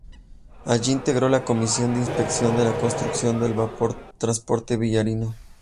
Allí integró la comisión de inspección de la construcción del vapor transporte "Villarino".